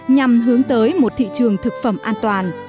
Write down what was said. nhằm hướng tới một thị trường thực phẩm an toàn